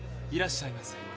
いらっしゃいませ。